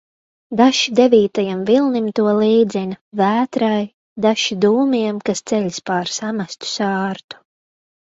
Dažs devītajam vilnim to līdzina, vētrai, dažs dūmiem, kas ceļas pār samestu sārtu.